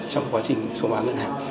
trong quá trình sổ bán ngân hàng